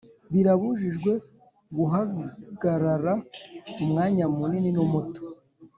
Birabujijwe guhagarara umwanya munini n'umuto